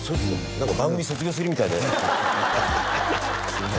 何か番組卒業するみたいですいません